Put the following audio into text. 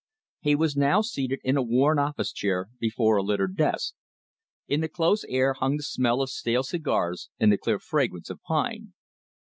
He was now seated in a worn office chair before a littered desk. In the close air hung the smell of stale cigars and the clear fragrance of pine.